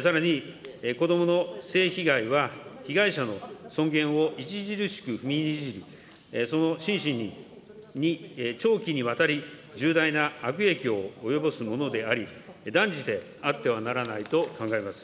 さらに、子どもの性被害は被害者の尊厳を著しく踏みにじり、その心身に長期にわたり重大な悪影響を及ぼすものであり、断じてあってはならないと考えます。